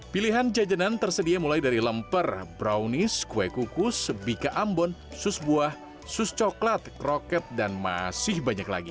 pilihan jajanan tersedia mulai dari lemper brownies kue kukus bika ambon sus buah sus coklat kroket dan masih banyak lagi